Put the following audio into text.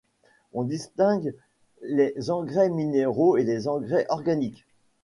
On distingue les engrais minéraux et les engrais organiques.